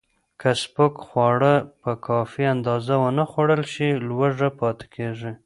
که سپک خواړه په کافي اندازه ونه خورل شي، لوږه پاتې کېږي.